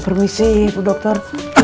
permisi bu dokter